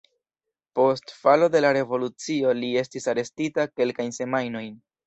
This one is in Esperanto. Post falo de la revolucio li estis arestita kelkajn semajnojn.